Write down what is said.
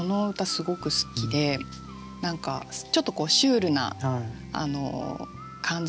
すごく好きでちょっとシュールな感じと